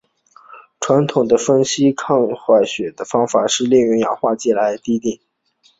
传统的分析抗坏血酸的方法是用氧化剂来滴定。